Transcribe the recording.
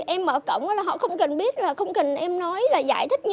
em mở cổng là họ không cần biết không cần em nói là giải thích